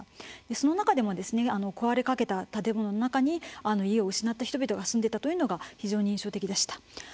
その中でも、壊れかけた建物の中に家を失った人々が住んでいたというのが非常に印象的でした。